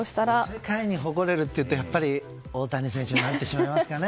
世界に誇れるというとやっぱり大谷選手になりますかね。